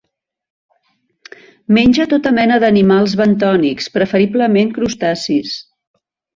Menja tota mena d'animals bentònics, preferiblement crustacis.